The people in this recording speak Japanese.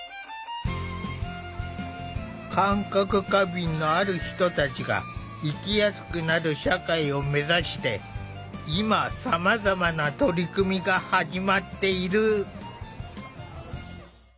感覚過敏のある人たちが生きやすくなる社会をめざして今さまざまな取り組みが始まっている。